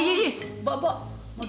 gak ada banyak ngomong